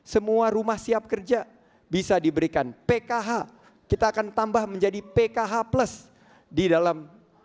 semua rumah siap kerja bisa diberikan pkh kita akan tambah menjadi pkh plus di dalam